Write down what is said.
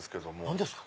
何ですか？